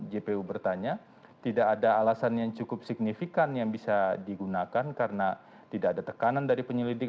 jpu bertanya tidak ada alasan yang cukup signifikan yang bisa digunakan karena tidak ada tekanan dari penyelidik